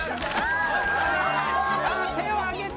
手を上げて！